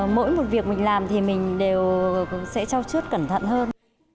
mỗi một việc mình làm thì mình đều cũng sẽ trao chút cẩn thận hơn